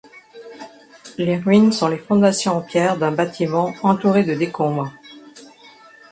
Les ruines sont les fondations en pierre d'un bâtiment, entouré de décombres.